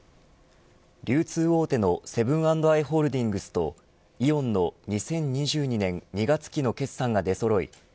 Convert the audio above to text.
流通大手のセブン＆アイ・ホールディングスとイオンの２０２２年２月期の決算が出そろい